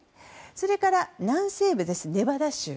それから南西部、ネバダ州。